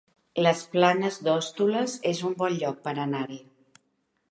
Les Planes d'Hostoles es un bon lloc per anar-hi